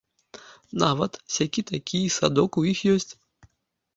Нават сякі-такі й садок у іх ёсць.